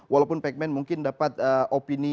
walaupun pac man mungkin dapat opini